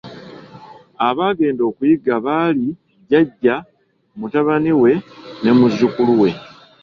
Abaagenda okuyigga baali, jjajja, mutabani we ne muzzukulu we.